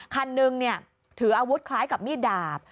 คันหนึ่งถืออาวุธคล้ายกับมีดดาบ